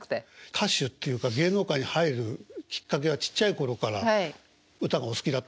歌手っていうか芸能界に入るきっかけはちっちゃい頃から歌がお好きだったんですか？